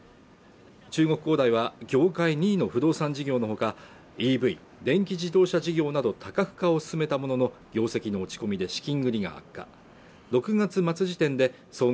中国恒大は業界２位の不動産事業のほかＥＶ＝電気自動車事業など多角化を進めたものの業績の落ち込みで資金繰りが悪化６月末時点で総額